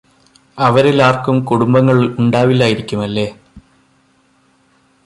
അവരിൽ ആർക്കും കുടുംബങ്ങൾ ഉണ്ടാവില്ലായിരിക്കും അല്ലേ